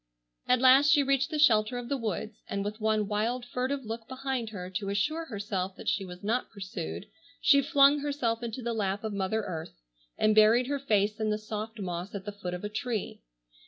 At last she reached the shelter of the woods, and, with one wild furtive look behind her to assure herself that she was not pursued, she flung herself into the lap of mother earth, and buried her face in the soft moss at the foot of a tree.